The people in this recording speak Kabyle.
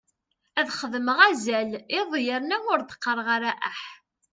Ad xedmeɣ azal iḍ yerna ur d-qqareɣ ara aḥ.